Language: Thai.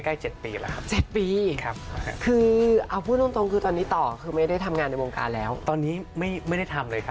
คุณผู้ชมไม่เจอนานหนึ่งหายคิดถึงนะคะถ้าลูกคุณออกมาได้มั้ยคะ